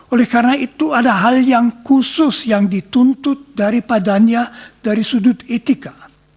oleh karena itu ada hal yang khusus yang dituntut daripada niat dari sudut etika